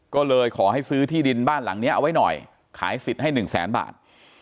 ก็เลยขอให้ซื้อที่ดินบ้านหลังนี้เอาไว้หน่อยขายสิทธิ์ให้หนึ่งแสนบาท